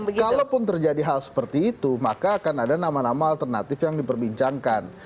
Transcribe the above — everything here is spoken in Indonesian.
nah kalaupun terjadi hal seperti itu maka akan ada nama nama alternatif yang diperbincangkan